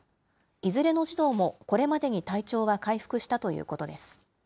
いずれの児童もこれまでに体調は回復したということです。